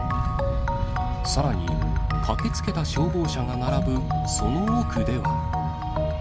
さらに、駆けつけた消防車が並ぶその奥では。